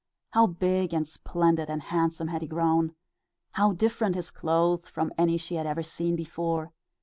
How big and splendid and handsome he had grown! How different his clothes from any she had ever seen before!